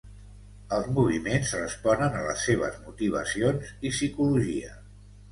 Els moviments responen a les seves motivacions i psicologia.